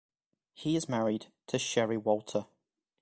He is married to Sherry Walter.